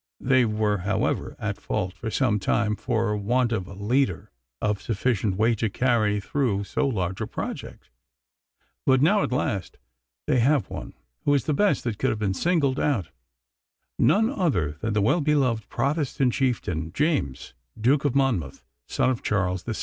They were, however, at fault for some time for want of a leader of sufficient weight to carry through so large a project; but now at last they have one, who is the best that could have been singled out none other than the well beloved Protestant chieftain James, Duke of Monnmouth, son of Charles II.